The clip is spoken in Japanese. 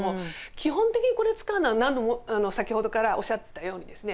基本的にこれ使うのは先ほどからおっしゃったようにですね